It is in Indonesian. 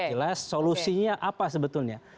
jelas solusinya apa sebetulnya